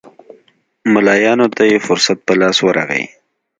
ملایانو ته یې فرصت په لاس ورغی.